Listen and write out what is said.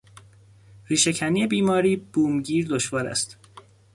ریشهکنی بیماری بومگیر دشوار است.